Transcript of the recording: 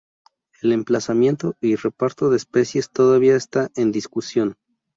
El emplazamiento y reparto de especies todavía está en discusión.